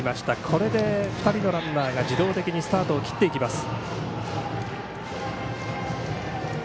これで２人のランナーが自動的にスタートを切っていきます。